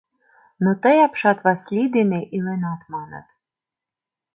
— Но тый апшат Васлий дене иленат, маныт.